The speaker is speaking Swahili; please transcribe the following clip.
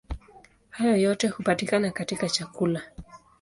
Hayo yote hupatikana katika chakula.